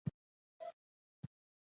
دښته د طبیعت یو عجیب سفر دی.